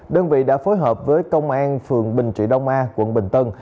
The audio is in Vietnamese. đơn vị đã phối hợp với công an phường bình trị đông a quận bình tân